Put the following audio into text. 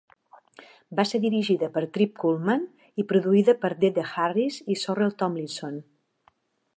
Va ser dirigida per Trip Cullman i produïda per DeDe Harris i Sorrel Tomlinson.